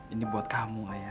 ini buat kamu ayah